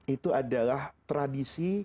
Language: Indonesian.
itu adalah tradisi